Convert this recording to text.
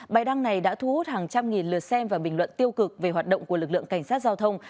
bài đăng này đã thu hút hàng trăm nghìn lượt xem và bình luận tiêu cực về hoạt động của lực lượng cảnh sát giao thông